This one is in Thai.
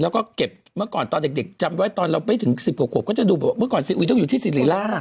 แล้วก็เก็บเมื่อก่อนตอนเด็กจำไว้ตอนเราไปถึงสิบหกก็จะดูว่าเมื่อก่อนสีอุ๊ยต้องอยู่ที่สิทธิ์หลาก